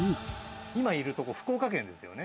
今いる所福岡県ですよね。